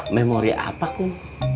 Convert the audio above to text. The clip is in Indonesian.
memori apa kum